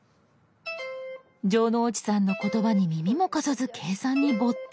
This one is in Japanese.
城之内さんの言葉に耳も貸さず計算に没頭。